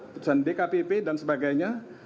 putusan dkpp dan sebagainya